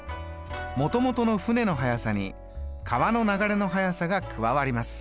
もともとの舟の速さに川の流れの速さが加わります。